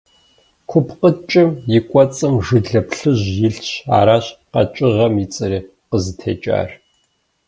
КупкъыкӀым и кӀуэцӀым жылэ плъыжь илъщ, аращ къэкӀыгъэм и цӀэри къызытекӀар.